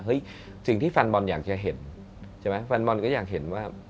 สิ่งที่แฟนบอลอยากจะเห็นใช่ไหมแฟนบอลก็อยากเห็นว่า